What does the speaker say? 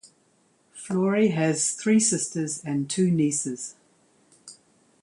Flory has three sisters and two nieces.